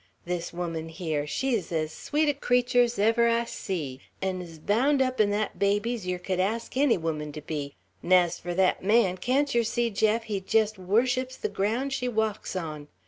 This woman, here, she's ez sweet a creetur's ever I see; 'n' ez bound up 'n thet baby's yer could ask enny woman to be; 'n' 's fur thet man, can't yer see, Jeff, he jest worships the ground she walks on?